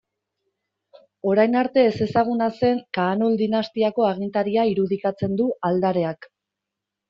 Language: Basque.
Orain arte ezezaguna zen Kaanul dinastiako agintaria irudikatzen du aldareak.